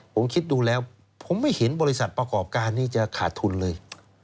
ผมคิดดูแล้วผมไม่เห็นบริษัทประกอบการนี้จะขาดทุนเลย